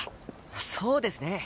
そうですね。